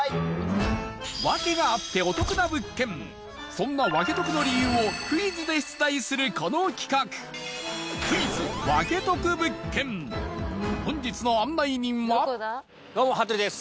そんなワケトクの理由をクイズで出題するこの企画本日の案内人はどうも羽鳥です